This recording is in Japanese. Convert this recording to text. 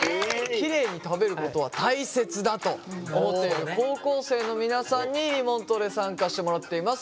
キレイに食べることは大切だと思っている高校生の皆さんにリモートで参加してもらっています。